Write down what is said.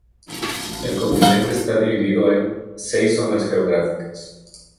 El continente está dividido en seis zonas geográficas.